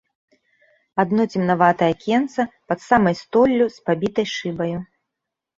Адно цемнаватае акенца, пад самай столлю, з пабітай шыбаю.